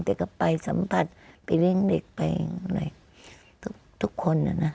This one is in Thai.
แต่ก็ไปสัมผัสไปเร่งเด็กไปอะไรทุกคนนะนะ